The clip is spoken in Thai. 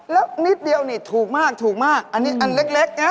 แล้วนิดเดียวนี่ถูกมากอันนี้อันเล็กเนี่ย